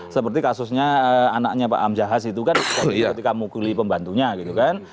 seperti kasusnya anaknya pak amjahas itu kan ketika mukuli pembantunya gitu kan